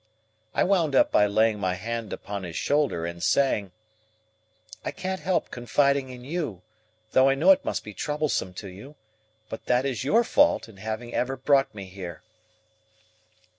I wound up by laying my hand upon his shoulder, and saying, "I can't help confiding in you, though I know it must be troublesome to you; but that is your fault, in having ever brought me here."